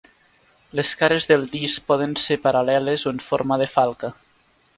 Les cares del disc poden ser paral·leles o en forma de falca.